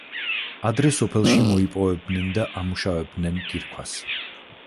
ადრე სოფელში მოიპოვებენ და ამუშავებდნენ კირქვას.